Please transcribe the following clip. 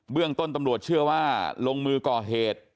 เรื่องต้นตำรวจเชื่อว่าลงมือก่อเหตุ